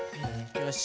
よし。